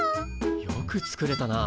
よく作れたな。